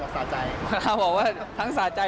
เขาบอกทางสะใจ